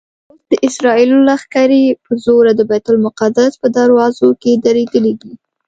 اوس د اسرائیلو لښکرې په زوره د بیت المقدس په دروازو کې درېدلي دي.